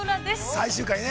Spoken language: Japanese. ◆最終回ね。